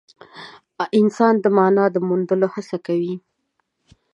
انسان د مانا د موندلو هڅه کوي.